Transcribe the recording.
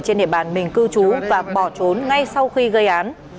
trên địa bàn mình cư trú và bỏ trốn ngay sau khi gây án